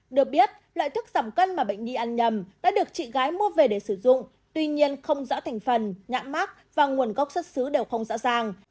được biết loại thuốc giảm cân mà bệnh đi ăn nhầm đã được chị gái mua về để sử dụng tuy nhiên không rõ thành phần nhãn mắc và nguồn gốc xuất xứ đều không rõ ràng